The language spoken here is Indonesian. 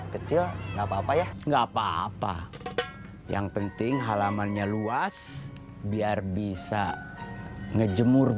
kecil nggak apa apa ya enggak apa apa yang penting halamannya luas biar bisa ngejemur